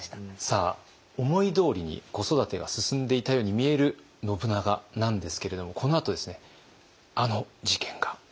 さあ思いどおりに子育てが進んでいたように見える信長なんですけれどもこのあとあの事件が起きます。